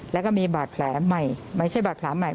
แล้วก็มีบาดแผลใหม่ไม่ใช่บาดแผลใหม่